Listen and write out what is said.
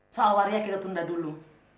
soal waria kita tunda dulu